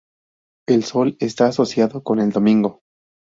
El sol está asociado con el domingo.